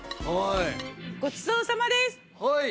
ごちそうさまです！